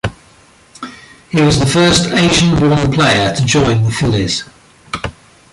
He was the first Asian-born player to join the Phillies.